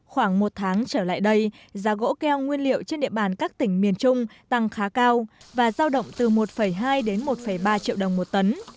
khoảng một tháng trở lại đây giá gỗ keo nguyên liệu trên địa bàn các tỉnh miền trung tăng khá cao và giao động từ một hai đến một ba triệu đồng một tấn